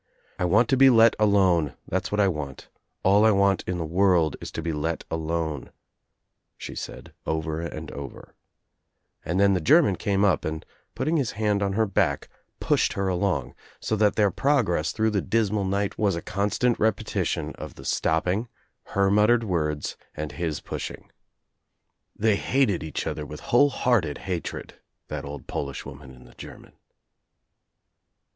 "I want to be let alone, that's what I want. All I want in the world is to be let alone," she said, over and over; and then the German came up and putting his hand on her back * Dushed her along, so that their progress through the l64 THE TRIUMPH OF THE EGG dismal night was a constant repetition of the stopping, her muttered words, and his pushing. They hated each other with whole hearted hatred, that old Polish woman and the German.